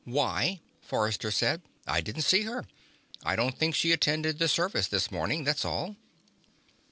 "Why?" Forrester said. "I didn't see her. I don't think she attended the service this morning, that's all."